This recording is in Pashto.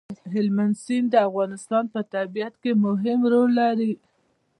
هلمند سیند د افغانستان په طبیعت کې مهم رول لري.